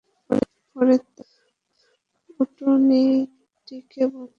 পরে তারা উটনীটিকে বধ করে।